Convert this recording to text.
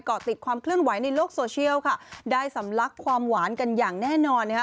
เกาะติดความเคลื่อนไหวในโลกโซเชียลค่ะได้สำลักความหวานกันอย่างแน่นอนนะคะ